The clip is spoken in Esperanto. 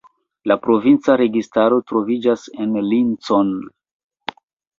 La provinca registaro troviĝas en Lincoln.